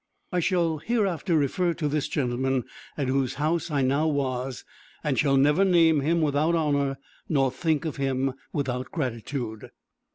I shall, hereafter, refer to this gentleman, at whose house I now was, and shall never name him without honor, nor think of him without gratitude.